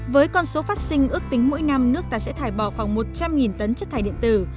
với con số phát sinh ước tính mỗi năm nước ta sẽ thải bỏ khoảng một trăm linh tấn chất thải điện tử